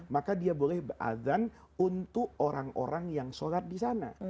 maka dia boleh berazan untuk orang orang yang sholat di sana